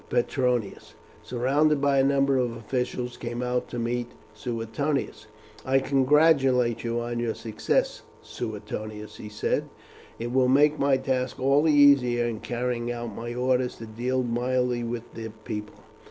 Petronius, surrounded by a number of officials, came out to meet Suetonius. "I congratulate you on your success, Suetonius," he said. "It will make my task all the easier in carrying out my orders to deal mildly with the people."